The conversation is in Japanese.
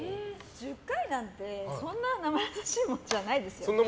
１０回なんて、そんな生易しいもんじゃないですよ。